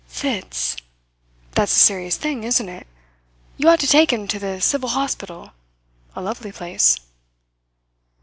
"Fits! That's a serious thing, isn't it? You ought to take him to the civil hospital a lovely place."